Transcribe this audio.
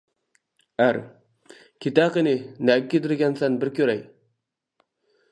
ئەر: كېتە قېنى نەگە كېتىدىكەنسەن بىر كۆرەي.